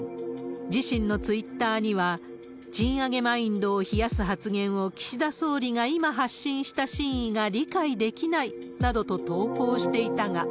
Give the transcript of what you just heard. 自身のツイッターには、賃上げマインドを冷やす発言を、岸田総理が今発信した真意が理解できないなどと投稿していたが。